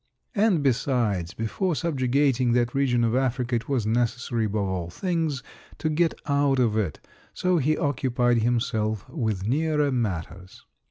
And besides, before subjugating that region of Africa, it was necessary above all things to get out of it, so he occupied himself with nearer matters.